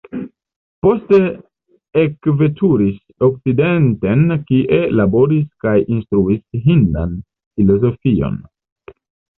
Poste ekveturis okcidenten kie laboris kaj instruis hindan filozofion.